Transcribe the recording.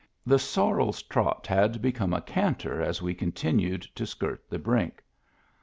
The sorrel's trot had become a canter as we continued to skirt the brink.